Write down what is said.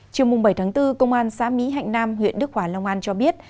chiều bảy tháng bốn công an xã mỹ hạnh nam huyện đức hòa long an cho biết